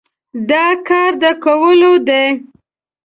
دا کار د کولو دی؟